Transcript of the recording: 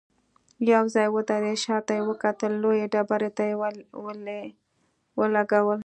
يو ځای ودرېده، شاته يې وکتل، لويې ډبرې ته يې ولي ولګول.